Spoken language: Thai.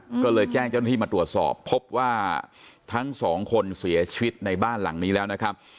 ก็เลยแจ้งเจ้าหน้าที่มาตรวจสอบพบว่าทั้งสองคนเสียชีวิตในบ้านหลังนี้แล้วนะครับ